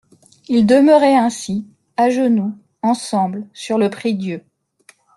Ils demeuraient ainsi, à genoux, ensemble, sur le prie-dieu.